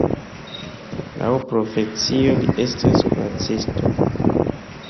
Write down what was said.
Laŭ profesio li estas kuracisto.